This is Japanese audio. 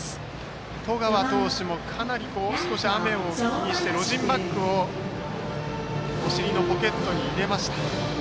十川投手も少し雨を気にしてロジンバッグをお尻のポケットに入れました。